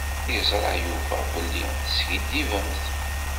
Yeẓṛa Yuba belli teskiddibemt.